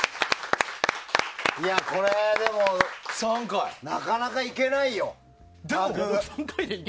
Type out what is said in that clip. これ、でもなかなか行けないよ、タグ。